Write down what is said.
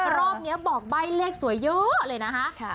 รอบนี้บอกใบ้เลขสวยเยอะเลยนะคะ